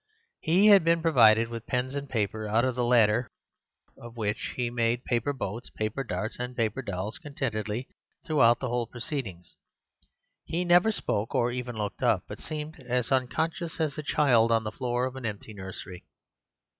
He had been provided with pens and paper, out of the latter of which he made paper boats, paper darts, and paper dolls contentedly throughout the whole proceedings. He never spoke or even looked up, but seemed as unconscious as a child on the floor of an empty nursery.